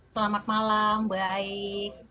selamat malam baik